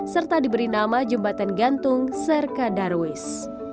serta diberi nama jembatan gantung serka darwis